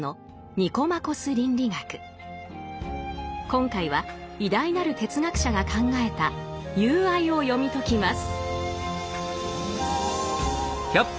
今回は偉大なる哲学者が考えた「友愛」を読み解きます。